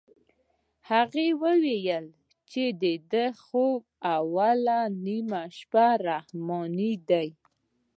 هغه وويل چې د دې خوب اوله نيمه رحماني ده.